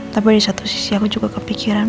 tapi di satu sisi aku juga kepikiran